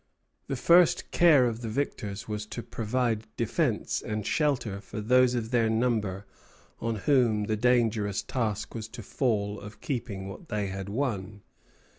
The first care of the victors was to provide defence and shelter for those of their number on whom the dangerous task was to fall of keeping what they had won.